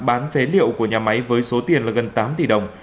bán phế liệu của nhà máy với số tiền là gần tám tỷ đồng